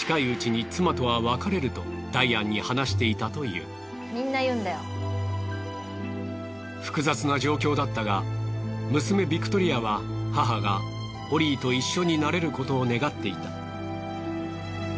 しかし彼は近いうちに複雑な状況だったが娘ビクトリアは母がオリーと一緒になれることを願っていた。